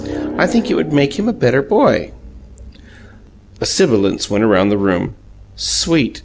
I think it would make him a better boy.'" A sibilance went about the room. "Sweet!